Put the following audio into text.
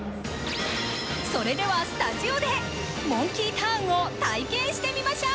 それではスタジオでモンキーターンを体験してみましょう。